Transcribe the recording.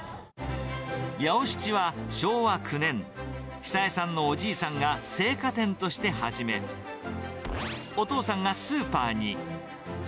八尾七は昭和９年、久栄さんのおじいさんが青果店として始め、お父さんがスーパーに。